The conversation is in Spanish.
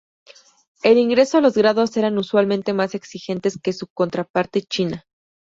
El ingreso a los grados eran usualmente más exigentes que su contraparte china.